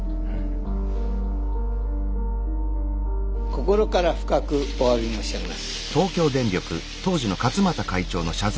心から深くおわび申し上げます。